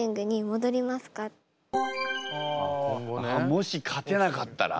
もし勝てなかったら？